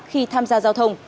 khi tham gia giao thông